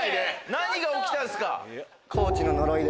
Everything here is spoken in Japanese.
何が起きたんすか？